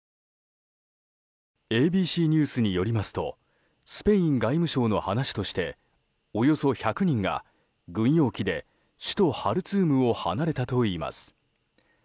ＡＢＣニュースによりますとスペイン外務省の話としておよそ１００人が軍用機で首都ハルツームを離れたといいます。